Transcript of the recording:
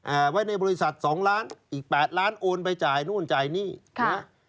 เอาไว้ในบริษัท๒ล้านอีก๘ล้านโอนไปจ่ายนู่นจ่ายนี่นะครับ